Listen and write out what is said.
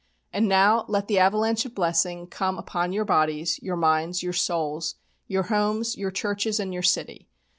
And now let the avalanche of blessing come upon your bodies, your minds, your souls, your homes, your churches, and your city.